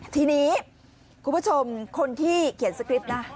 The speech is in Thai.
ทีนี้คุณผู้ชมคนที่เขียนสคริปต์นะ